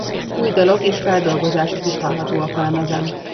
Új dalok és feldolgozások is hallhatóak a lemezen.